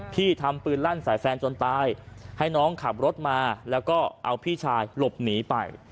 พี่ทำปืนลั่นใส่แฟนจนตายให้น้องขับรถมาแล้วก็เอาพี่ชายหลบหนีไป